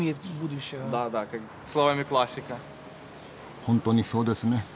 本当にそうですね。